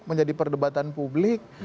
menjadi perdebatan publik